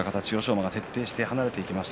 馬、徹底して離れていきました。